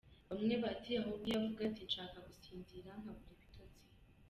Bamwe bati “Ahubwo iyo avuga ati nshaka gusinzira, nkabura ibitotsi!”.